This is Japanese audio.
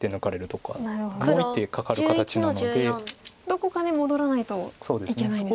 どこかで戻らないといけないんですね。